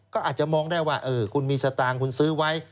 ก็อาจจะมองได้ว่าคุณมีสตางค์คุณซื้อไว้